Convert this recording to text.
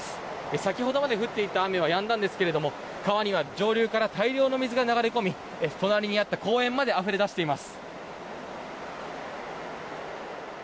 先ほどまで降っていた雨はやんだんですが川には上流から大量の水が流れ込み隣にあった公園まであふれ出しています。